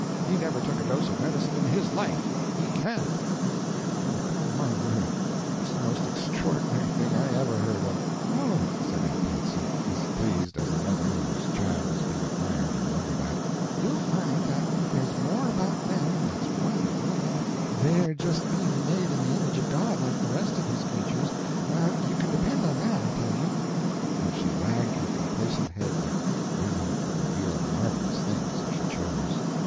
He never took a dose of medicine in his life. He can't." "Well, upon my word, it's the most extraordinary thing I ever heard of!" "Oh," said Aunt Patsy, as pleased as a mother whose child is being admired and wondered at; "you'll find that there's more about them that's wonderful than their just being made in the image of God like the rest of His creatures, now you can depend on that, I tell you," and she wagged her complacent head like one who could reveal marvelous things if she chose.